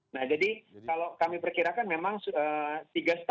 nah jadi kalau kami perkirakan memang